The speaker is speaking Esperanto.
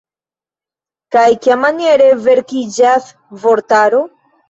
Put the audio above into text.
Kaj kiamaniere verkiĝas vortaro?